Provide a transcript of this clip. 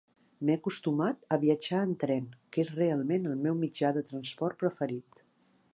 M'he acostumat a viatjar en tren, que és realment el meu mitjà de transport preferit.